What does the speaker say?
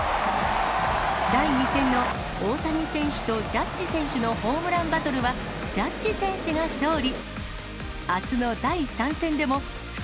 第２戦の大谷選手とジャッジ選手のホームランバトルは、ジャッジ選手が勝利。